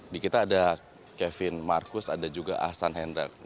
di kita ada kevin marcus ada juga ahsan hendral